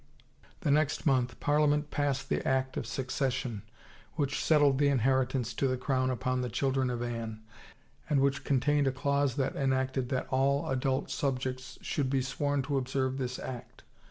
The next month Parliament passed the Act of Succes sion which settled the inheritance to the crown upon the children of Anne, and which contained a clause that en acted that all adult subjects should be sworn to observe this act.